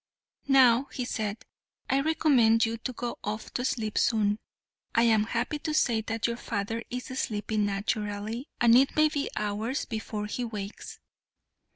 "Now," he said, "I recommend you to go off to sleep soon. I am happy to say that your father is sleeping naturally, and it may be hours before he wakes.